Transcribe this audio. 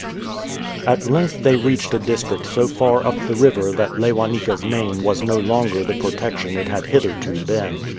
At length they reached a district so far up the river that Lewanika"'s name was no longer the protection it had hitherto been.